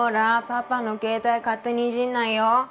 パパの携帯勝手にいじらないよ。